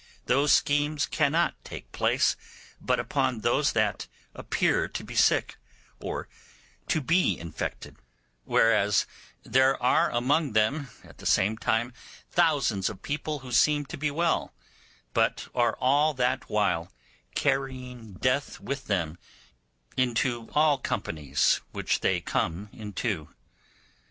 Those schemes cannot take place but upon those that appear to be sick, or to be infected; whereas there are among them at the same time thousands of people who seem to be well, but are all that while carrying death with them into all companies which they come into.